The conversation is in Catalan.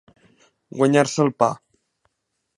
Guanyar-se el pa.